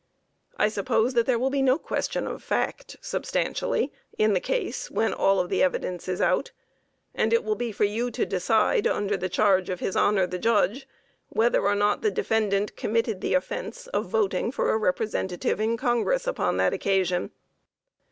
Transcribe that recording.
I suppose that there will be no question of fact, substantially, in the case when all of the evidence is out, and it will be for you to decide under the charge of his honor, the Judge, whether or not the defendant committed the offence of voting for a representative in Congress upon that occasion.